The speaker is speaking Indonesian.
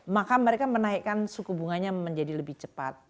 maka mereka menaikkan suku bunganya menjadi lebih cepat